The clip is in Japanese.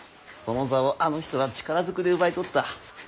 その座をあの人は力ずくで奪い取った。